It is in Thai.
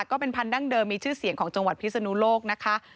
ก็เป็นพันธั้งเดิมมีชื่อเสียงของจังหวัดพิศนุโลกนะคะ